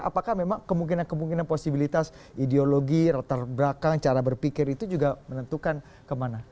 apakah memang kemungkinan kemungkinan posibilitas ideologi rata belakang cara berpikir itu juga menentukan kemana